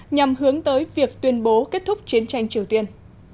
nhằm hướng tới việc tuyên bố kết thúc chiến tranh triều tiên